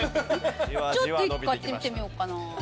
ちょっと１個買ってってみようかな。